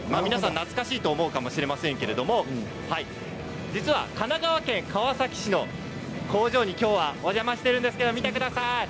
皆さん、懐かしいと思うかもしれませんけれど実は、神奈川県川崎市の工場にきょうはお邪魔しているんですけれども見てください。